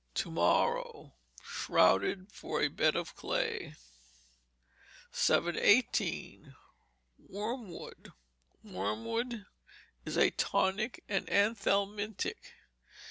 [TO MORROW, SHROUDED FOR A BED OF CLAY.] 718. Wormwood Wormwood is a tonic and anthelmintic.